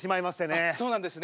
あっそうなんですね。